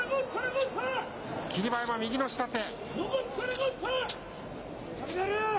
霧馬山、右の下手。